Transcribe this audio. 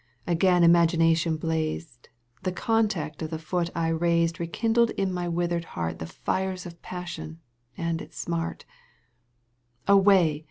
Again imagination blazed, The contact of the foot I raised EeMndled in my withered heart The fires of passion and its smart — Away